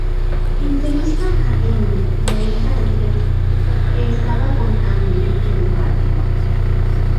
Entrevista a Emily, la hija del jefe, que estaba con Andrew en el parque.